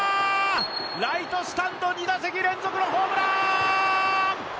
ライトスタンド２打席連続のホームラン！